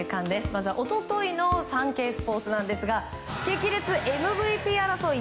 まずは一昨日のサンケイスポーツですが激烈ＭＶＰ争い